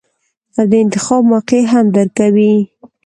او د انتخاب موقع هم درکوي -